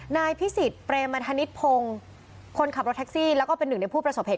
นายพิสิทธิเปรมธนิษฐพงศ์คนขับรถแท็กซี่แล้วก็เป็นหนึ่งในผู้ประสบเหตุ